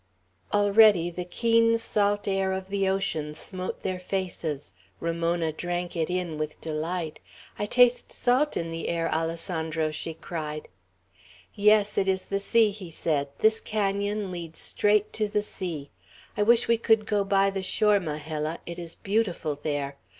Already the keen salt air of the ocean smote their faces. Ramona drank it in with delight. "I taste salt in the air, Alessandro," she cried. "Yes, it is the sea," he said. "This canon leads straight to the sea. I wish we could go by the shore, Majella. It is beautiful there.